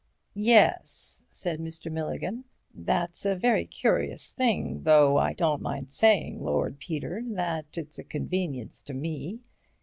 "Yes," said Mr. Milligan, "that's a very curious thing, though I don't mind saying, Lord Peter, that it's a convenience to me.